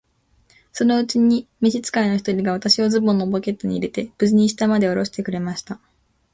そのうちに召使の一人が、私をズボンのポケットに入れて、無事に下までおろしてくれました。